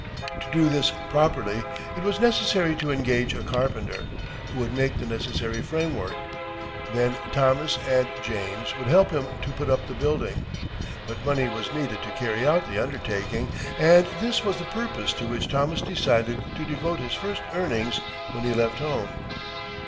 To do this properly it was necessary to engage a carpenter, who would make the necessary framework. Then Thomas and James would help him to put up the building. But money was needed to carry out the undertaking, and this was the purpose to which Thomas decided to devote his first earnings when he left home.